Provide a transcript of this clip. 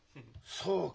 そうか。